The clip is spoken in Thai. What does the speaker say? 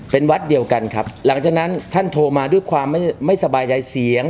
เป็นวัดเดียวกันครับหลังจากนั้นท่านโทรมาด้วยความไม่สบายใจเสียง